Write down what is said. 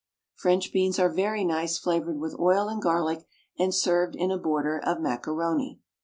French beans are very nice flavoured with oil and garlic, and served in a border of macaroni.